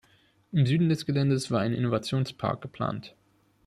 Im Süden des Geländes war ein Innovationspark geplant.